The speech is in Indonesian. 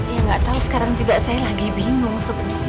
ya gak tau sekarang juga saya lagi bingung sebenernya